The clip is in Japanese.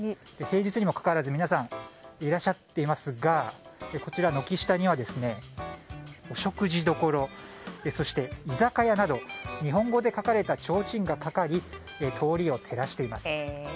平日にもかかわらず皆さんいらっしゃっていますがこちら、軒下には「お食事処」そして、「居酒屋」など日本語で書かれたちょうちんがかかり通りを照らしています。